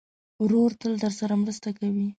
ورور تل درسره مرسته کوي.